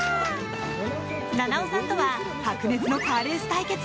菜々緒さんとは白熱のカーレース対決。